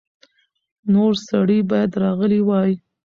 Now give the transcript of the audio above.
نور سړي باید راغلي وای.